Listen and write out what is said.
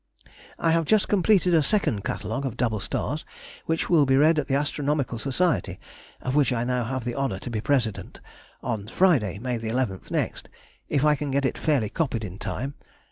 I have just completed a second Catalogue of double stars, which will be read at the Astronomical Society (of which I now have the honour to be President) on Friday (May 11th) next (if I can get it fairly copied in time).